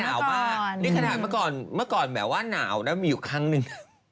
นี่คือถามมาก่อนมาก่อนแบบว่าหนาวมีอยู่ครั้งนึง